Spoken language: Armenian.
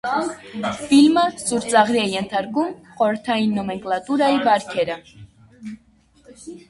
Ֆիլմը սուր ծաղրի է ենթարկում խորհրդային նոմենկլատուրայի բարքերը։